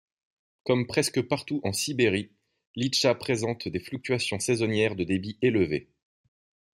Comme presque partout en Sibérie, l'Itcha présente des fluctuations saisonnières de débit élevées.